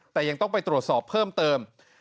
แต่ยังต้องไปตรวจสอบเพิ่มเติม